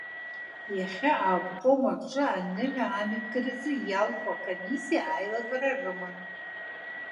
Иахьа аобком аҿы аныҳәа амҩаԥгаразы иалху акомиссиа аилатәара рыман.